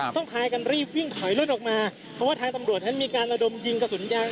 พากันรีบวิ่งถอยรถออกมาเพราะว่าทางตำรวจนั้นมีการระดมยิงกระสุนยาง